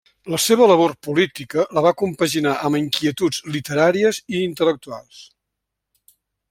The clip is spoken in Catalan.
La seva labor política la va compaginar amb inquietuds literàries i intel·lectuals.